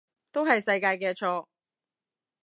都係世界嘅錯